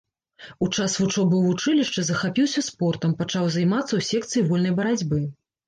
У час вучобы ў вучылішчы захапіўся спортам, пачаў займацца ў секцыі вольнай барацьбы.